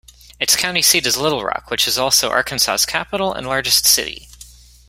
Its county seat is Little Rock, which is also Arkansas's capital and largest city.